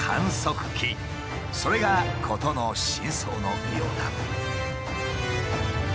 それが事の真相のようだ。